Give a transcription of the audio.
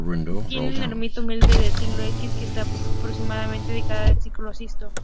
Tiene una ermita humilde del siglo X que está probablemente dedicada a San Acisclo.